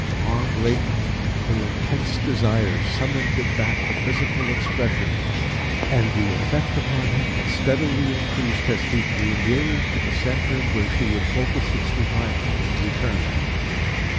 Long latent, her intense desire summoned it back to physical expression; and the effect upon him had steadily increased as he drew nearer to the centre where she would focus its revival and return.